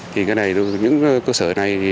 thì những cơ sở này